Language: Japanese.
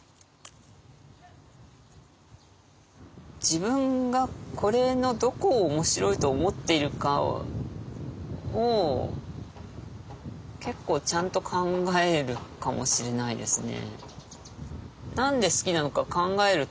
自分がこれのどこを面白いと思っているかを結構ちゃんと考えるかもしれないですね。